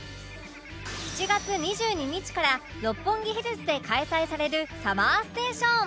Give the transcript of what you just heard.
７月２２日から六本木ヒルズで開催される ＳＵＭＭＥＲＳＴＡＴＩＯＮ